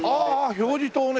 表示灯ね。